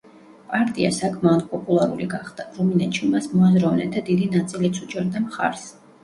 პარტია საკმაოდ პოპულარული გახდა, რუმინეთში მას მოაზროვნეთა დიდი ნაწილიც უჭერდა მხარს.